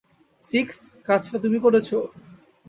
Six, কাজটা তুমি করেছ?